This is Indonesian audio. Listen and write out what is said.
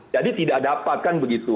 jadi tidak dapat kan begitu